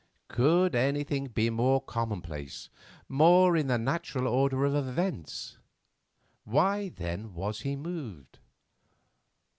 Could anything be more commonplace, more in the natural order of events? Why, then, was he moved?